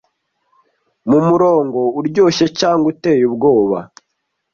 mu murongo uryoshye cyangwa uteye ubwoba